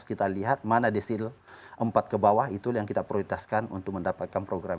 kita lihat mana desil empat ke bawah itu yang kita prioritaskan untuk mendapatkan program